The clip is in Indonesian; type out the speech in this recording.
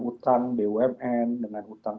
utang bumn dengan utang